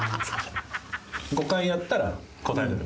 ５回やったら答えられる。